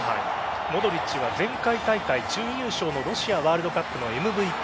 モドリッチは前回大会準優勝のロシアワールドカップのＭＶＰ。